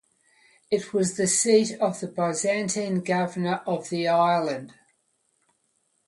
It was the seat of the Byzantine governor of the island.